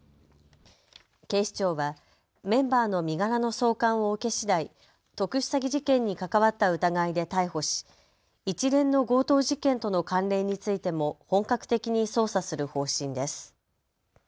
警視庁はメンバーの身柄の送還を受けしだい特殊詐欺事件に関わった疑いで逮捕し一連の強盗事件との関連についても本格的に捜査する方針です。